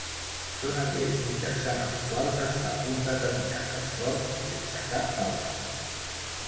Són aquells mitjançant els quals es fa un determinat esforç sense cap pausa.